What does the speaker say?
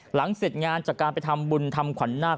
เสร็จงานจากการไปทำบุญทำขวัญนาค